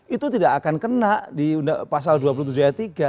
itu tidak akan kena di pasal dua puluh tujuh ayat tiga